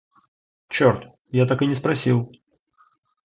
Черт, я так и не спросил.